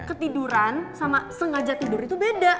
ketiduran sama sengaja tidur itu beda